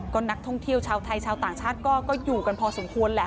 ก็นักท่องเที่ยวชาวไทยชาวต่างชาติก็อยู่กันพอสมควรแหละ